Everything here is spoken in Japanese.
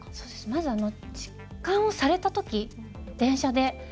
まず、痴漢をされたとき電車で。